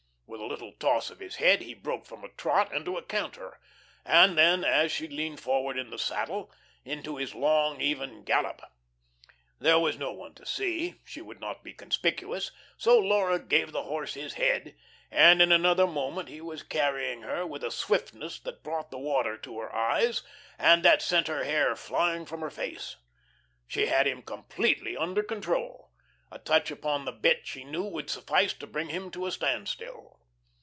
With a little toss of his head he broke from a trot into a canter, and then, as she leaned forward in the saddle, into his long, even gallop. There was no one to see; she would not be conspicuous, so Laura gave the horse his head, and in another moment he was carrying her with a swiftness that brought the water to her eyes, and that sent her hair flying from her face. She had him completely under control. A touch upon the bit, she knew, would suffice to bring him to a standstill.